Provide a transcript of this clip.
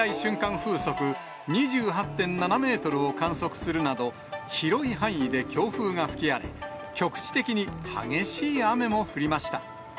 風速２８．７メートルを観測するなど、広い範囲で強風が吹き荒れ、局地的に激しい雨も降りました。